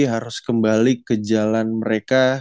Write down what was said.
harus kembali ke jalan mereka